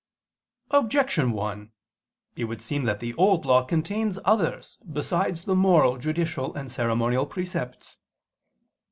Objection 1: It would seem that the Old Law contains others besides the moral, judicial, and ceremonial precepts.